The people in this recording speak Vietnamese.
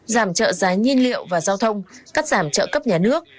giảm trợ giá nhiên liệu và giao thông cắt giảm trợ cấp nhà nước